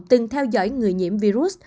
từng theo dõi người nhiễm virus